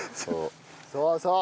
そうそう。